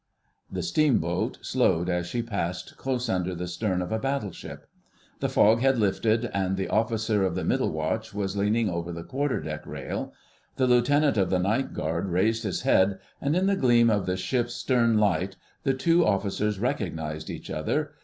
The steamboat, slowed as she passed close under the stern of a battleship. The fog had lifted, and the Officer of the Middle Watch was leaning over the quarter deck rail. The Lieutenant of the Night Guard raised his head, and in the gleam of the ship's stern light the two officers recognised each other.